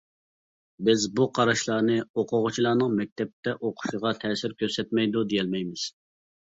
بىز بۇ قاراشلارنى ئوقۇغۇچىلارنىڭ مەكتەپتە ئوقۇشىغا تەسىر كۆرسەتمەيدۇ، دېيەلمەيمىز.